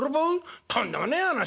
とんでもねえ話だ。